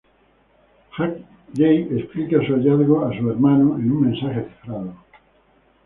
Jake explica sus hallazgos a su hermano en un mensaje cifrado.